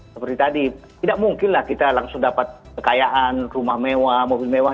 seperti tadi tidak mungkin lah kita langsung dapat kekayaan rumah mewah mobil mewah